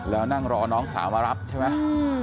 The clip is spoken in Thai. แล้วนั่งรอน้องสาวมารับใช่ไหม